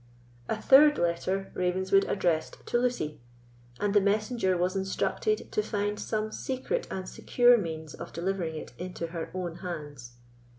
A third letter Ravenswood addressed to Lucy, and the messenger was instructed to find some secret and secure means of delivering it into her own hands.